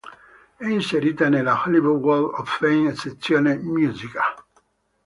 È inserita nella Hollywood Walk of Fame, sezione "musica".